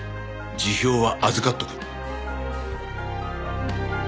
辞表は預かっとく。